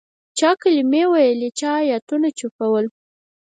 چا کلمې ویلې چا آیتونه چوفول.